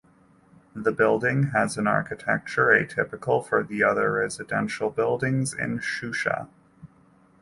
The building has an architecture atypical for the other residential buildings in Shusha.